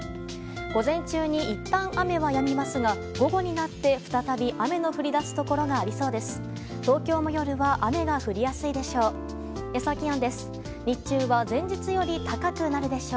午前中にいったん雨はやみますが午後になって再び雨の降り出すところがありそうです。